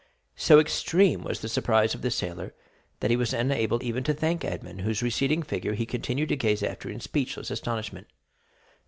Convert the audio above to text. So extreme was the surprise of the sailor, that he was unable even to thank Edmond, whose receding figure he continued to gaze after in speechless astonishment.